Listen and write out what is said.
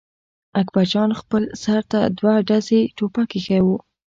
اکبر جان خپل سر ته دوه ډزي ټوپک اېښی و.